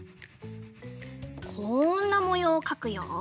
こんなもようをかくよ。